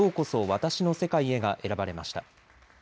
私の世界へが選ばれました。